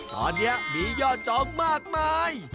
ตอนนี้มียอดจองมากมาย